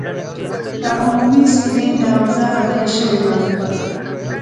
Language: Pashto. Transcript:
په عمومي سکرین دروازه بدله شوې وه.